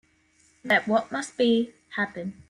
Let what must be, happen.